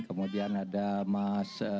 kemudian ada mas